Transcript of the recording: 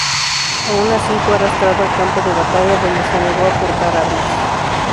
Aun así, fue arrastrado al campo de batalla dónde se negó a portar armas.